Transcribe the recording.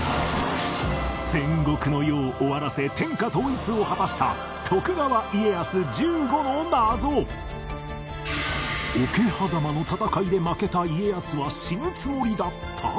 戦国の世を終わらせ天下統一を果たした桶狭間の戦いで負けた家康は死ぬつもりだった！？